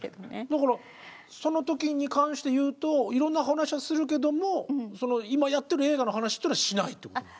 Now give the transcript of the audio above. だからその時に関して言うといろんな話はするけども今やってる映画の話っていうのはしないってこと？